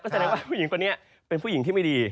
แสดงว่าผู้หญิงคนนี้เป็นผู้หญิงที่ไม่ดี